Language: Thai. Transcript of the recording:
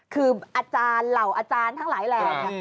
คืออาจารย์เหล่าอาจารย์ทั้งหลายแหล่ง